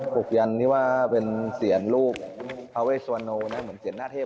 ปกยันนี่ว่าเป็นเสียงรูปทาเวสวโนนะเหมือนเสียนหน้าเทพ